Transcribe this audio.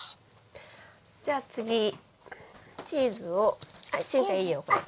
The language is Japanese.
じゃあ次チーズをしんちゃんいいよこれ。